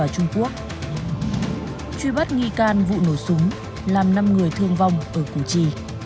truy bắt nghi can vụ nổ súng làm năm người thương vong ở củ chi